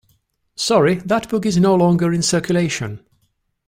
Sorry, that book is no longer in circulation.